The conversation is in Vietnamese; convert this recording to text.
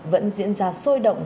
vẫn diễn ra sôi động